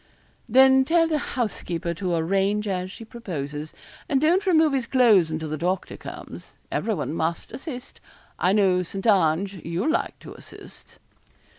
'Then tell the housekeeper to arrange as she proposes, and don't remove his clothes until the doctor comes. Everyone must assist. I know, St. Ange, you'll like to assist.'